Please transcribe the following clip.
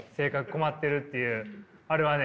困ってるっていうあれはね